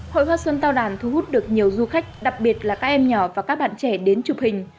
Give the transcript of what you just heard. hội hoa xuân tao đàn thu hút được nhiều du khách đặc biệt là các em nhỏ và các bạn trẻ đến chụp hình